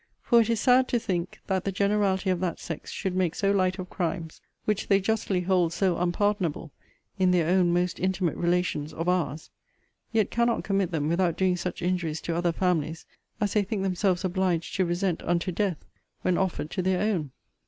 For it is sad to think, that the generality of that sex should make so light of crimes, which they justly hold so unpardonable in their own most intimate relations of our's yet cannot commit them without doing such injuries to other families as they think themselves obliged to resent unto death, when offered to their own.